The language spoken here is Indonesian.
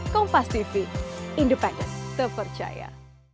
kompas tv independen terpercaya